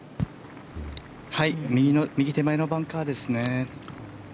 右手前のバンカーですね。